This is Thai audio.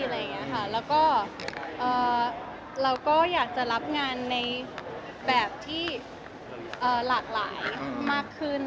แล้วก็เราก็อยากจะรับงานในแบบที่หลากหลายมากขึ้น